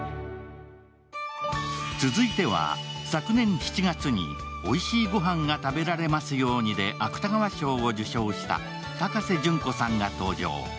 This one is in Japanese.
続いては、昨年７月に「おいしいごはんが食べられますように」で芥川賞を受賞した高瀬隼子さんが登場。